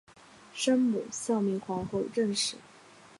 生母孝明皇后郑氏。